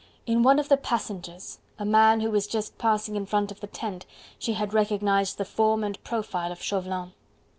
In one of the passengers, a man who was just passing in front of the tent, she had recognized the form and profile of Chauvelin.